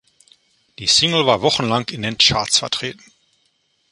Die Single war wochenlang in den Charts vertreten.